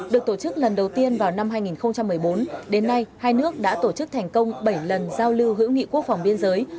được tổ chức lần đầu tiên vào năm hai nghìn một mươi bốn đến nay hai nước đã tổ chức thành công bảy lần giao lưu hữu nghị quốc phòng biên giới